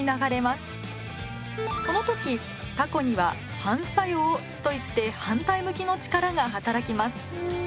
この時たこには反作用といって反対向きの力が働きます。